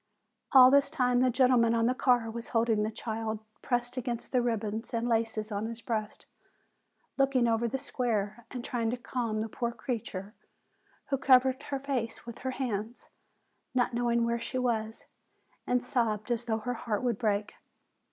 All this time, the gentleman on the car was holding the child pressed against the ribbons and laces on his breast, looking over the square, and trying to calm the poor creature, who covered her face with her \ V C sT X \ 152 FEBRUARY hands, not knowing where she was, and sobbed as though her heart would break.